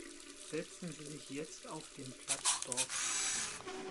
Setzen Sie sich jetzt auf den Platz dort.